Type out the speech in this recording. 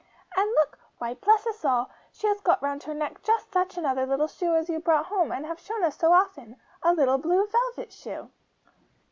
And look, why, bless us all! she has got round her neck just such another little shoe as that you brought home, and have shown us so often a little blue velvet shoe!